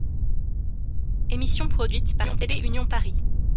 Émissions produites par Télé Union Paris.